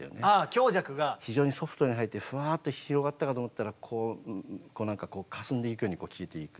非常にソフトに入ってふわっと広がったかと思ったらこうかすんでいくように消えていく。